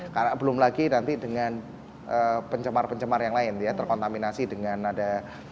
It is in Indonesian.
karena belum lagi nanti dengan pencemar pencemar yang lain ya terkontaminasi dengan ada